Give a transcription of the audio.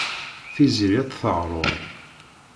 Tiziri ad tt-teɛreḍ.